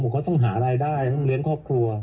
ผมก็ต้องหารายได้ต้องเลี้ยงครอบครัว